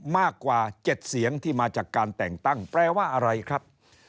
มากกว่า๗เสียงที่มาจากการแต่งตั้งแปลว่าอะไรครับ